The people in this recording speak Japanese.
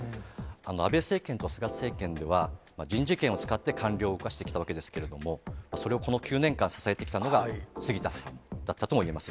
安倍政権と菅政権では、人事権を使って官僚を動かしてきたわけですけれども、それをこの９年間、支えてきたのが杉田さんだったともいえます。